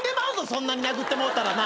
そんなに殴ってもうたら。